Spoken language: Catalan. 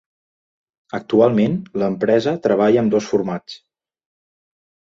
Actualment, l'empresa treballa amb dos formats.